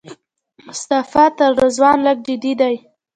مصطفی تر رضوان لږ جدي دی.